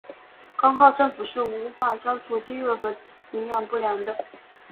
光靠政府是无法消除饥饿和营养不良的。